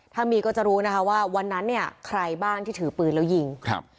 ถ้ามีก็จะรู้นะคะว่าวันนั้นเนี่ยใครบ้างที่ถือปืนแล้วยิงครับ